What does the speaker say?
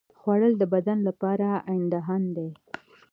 خوړل د بدن لپاره ایندھن دی